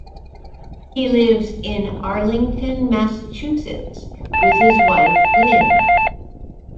He lives in Arlington, Massachusetts with his wife Lynn.